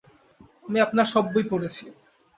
আমি আপনার সব বই পড়েছি।